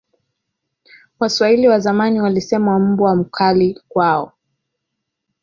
waswahili wa zamani walisema mbwa mkali kwao